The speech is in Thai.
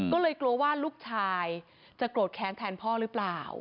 ก็เลยกลัวว่าลูกชายจะโกรธแค้นแทนพ่อหรือเปล่า